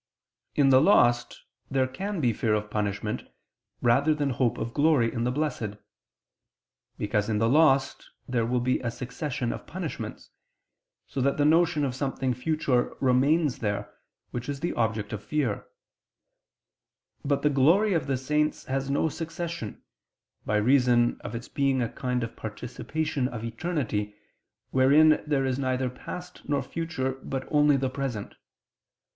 In the lost there can be fear of punishment, rather than hope of glory in the Blessed. Because in the lost there will be a succession of punishments, so that the notion of something future remains there, which is the object of fear: but the glory of the saints has no succession, by reason of its being a kind of participation of eternity, wherein there is neither past nor future, but only the present.